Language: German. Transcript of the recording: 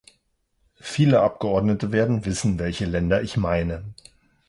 Viele Abgeordnete werden wissen, welche Länder ich meine.